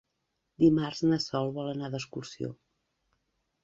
Dimarts na Sol vol anar d'excursió.